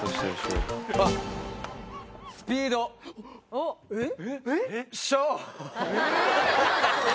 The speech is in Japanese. おっえっ？